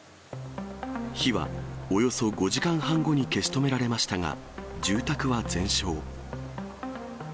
火はおよそ５時間半後に消し止められましたが、住宅は全焼。